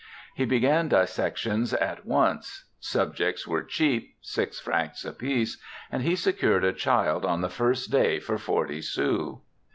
He began dissections at once ; subjects were cheap— six francs apiece— and he secured a child on the first day for forty sous.